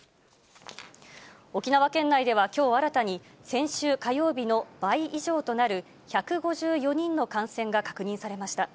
沖縄県内ではきょう新たに先週火曜日の倍以上となる１５４人の感染が確認されました。